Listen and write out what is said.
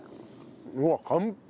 うわっ完璧！